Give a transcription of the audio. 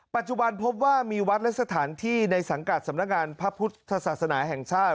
ปัจจุบันพบว่ามีวัดและสถานที่ในสังกัดสำนักงานพระพุทธศาสนาแห่งชาติ